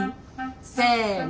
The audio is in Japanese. せの！